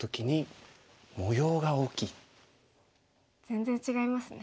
全然違いますね。